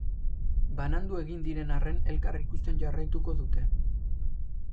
Banandu egin diren arren elkar ikusten jarraituko dute.